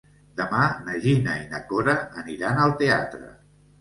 Demà na Gina i na Cora aniran al teatre.